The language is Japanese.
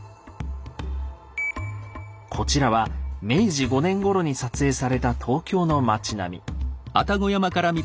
こちらは明治５年ごろに撮影された東京の町並み。